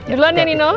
duluan ya nino